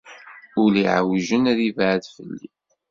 Ul iɛewjen, ad ibɛed fell-i.